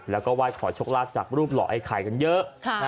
แล้วก็ไหว้ขอโชคลาภจากรูปหล่อไอ้ไข่กันเยอะ